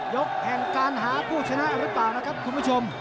ยกแทงการหาชนะเอาหรือเปล่านะครับคุณผู้ชม